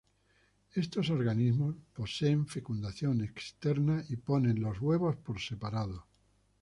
Estos organismos poseen fecundación externa y ponen los huevos por separado.